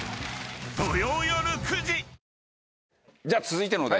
じゃあ続いてのお題